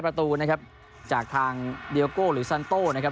ประตูนะครับจากทางเดียโก้หรือซันโต้นะครับ